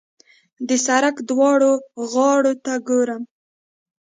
د سړک دواړو غاړو ته ګورم.